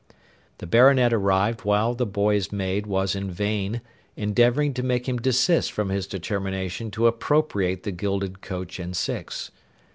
The Baronet arrived while the boy's maid was in vain endeavouring to make him desist from his determination to appropriate the gilded coach and six.